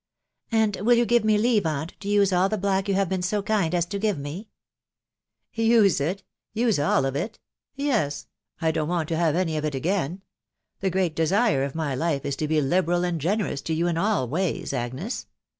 " And will you give me leave, aunt, to use all the black you have been so kind as to give me ?"" Use it ?.... use all of it ?.... Yes ; I don't want to have any of it again : the great desire of my life is to be liberal and generous to you in all ways, Agnes.